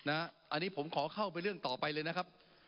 อันนี้ผมขอเข้าไปเรื่องต่อไปเลยนะครับ